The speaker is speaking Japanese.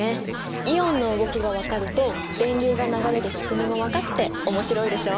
イオンの動きが分かると電流が流れる仕組みも分かって面白いでしょ？